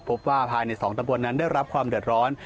พบว่าภายใน๒ตำบลนั้นได้รับความเดือดร้อน